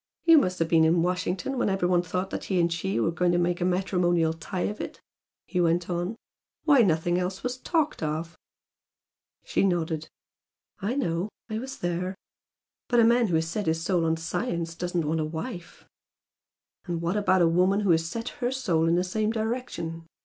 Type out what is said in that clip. "You must have been in Washington when every one thought that he and she were going to make a matrimonial tie of it" he went on "Why, nothing else was talked of!" She nodded. "I know! I was there. But a man who has set his soul on science doesn't want a wife." "And what about a woman who has set her soul in the same direction?"